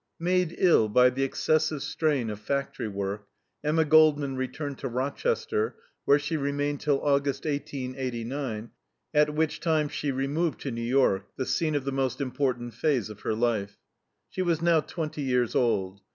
Made ill by the excessive strain of factory work, Emma Goldman returned to Rochester where she remained till August, 1889, at which time she removed to New York, the scene of the most important phase of her life. She was now twenty years old.